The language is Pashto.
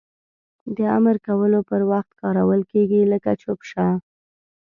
د امر کولو پر وخت کارول کیږي لکه چوپ شه!